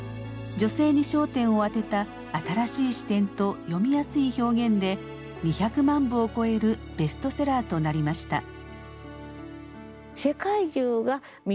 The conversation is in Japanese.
女性に焦点を当てた新しい視点と読みやすい表現で２００万部を超えるベストセラーとなりました。